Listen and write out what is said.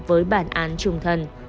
với bản án trung quốc